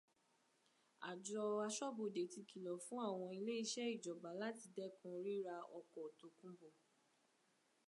Àjọ aṣóbodè ti kìlọ̀ fún àwọn ilé iṣẹ́ ìjọba láti dẹ́kun ríra ọkọ̀ tòkunbọ̀